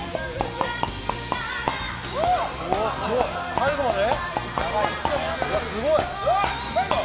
最後まで。